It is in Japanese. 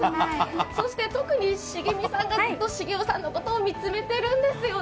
そして特に繁美さんがずっと茂雄さんのことを見つめてるんですよね。